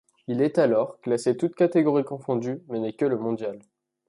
Il est alors classé toutes catégories confondues mais n'est que le mondial.